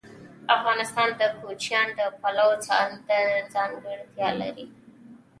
افغانستان د کوچیان د پلوه ځانته ځانګړتیا لري.